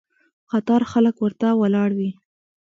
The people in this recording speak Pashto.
قطار خلک ورته ولاړ وي.